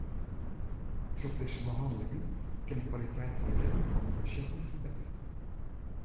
Troch dizze behanneling kin de kwaliteit fan libben fan de pasjinten ferbetterje.